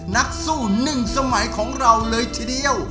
นักสู้หนึ่งสมัยของเราเลยทีเดียว